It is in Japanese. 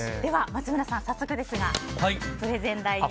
松村さん、早速ですがプレゼン台に。